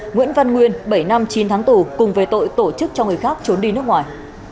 nguyễn văn nguyên bảy năm chín tháng tù cùng về tội tổ chức cho người khác trốn đi nước ngoài